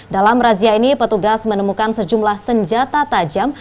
dalam razia ini petugas menemukan sejumlah senjata tajam